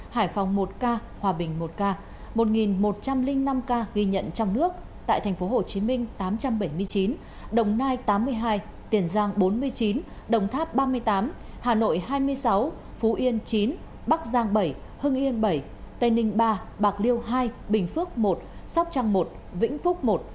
hải phòng một ca hòa bình một ca một một trăm linh năm ca ghi nhận trong nước tại tp hcm tám trăm bảy mươi chín đồng nai tám mươi hai tiền giang bốn mươi chín đồng tháp ba mươi tám hà nội hai mươi sáu phú yên chín bắc giang bảy hưng yên bảy tây ninh ba bạc liêu hai bình phước một sóc trăng một vĩnh phúc một